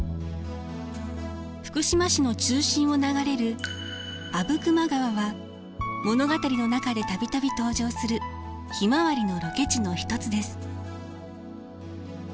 福島市の中心を流れる阿武隈川は物語の中で度々登場する「ひまわり」のロケ地の一つです。